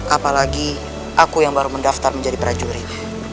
apalagi aku yang baru mendaftar menjadi prajurit